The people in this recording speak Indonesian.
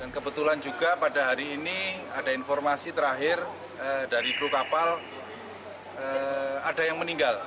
dan kebetulan juga pada hari ini ada informasi terakhir dari kru kapal ada yang meninggal